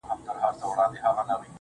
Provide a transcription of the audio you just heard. o بدراتلونکی دې مستانه حال کي کړې بدل.